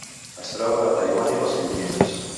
Es troba a Taiwan i a les Filipines.